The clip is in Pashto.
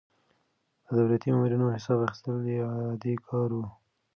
د دولتي مامورينو حساب اخيستل يې عادي کار و.